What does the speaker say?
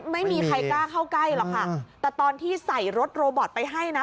ไม่มีใครกล้าเข้าใกล้หรอกค่ะแต่ตอนที่ใส่รถโรบอตไปให้นะ